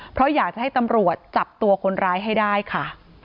เพราะอยากจะให้ตำรวจจับตัวคนร้ายให้ได้ค่ะ